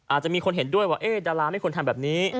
อาจจะมีคนเห็นด้วยว่าดาราไม่ควรทำแบบนี้